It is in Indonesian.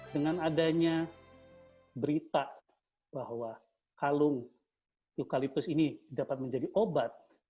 dengan adanya berita bahwa kalung eukaliptus ini dapat menjadi obat